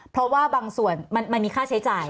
เพราะว่าบางส่วนมันมีค่าใช้จ่าย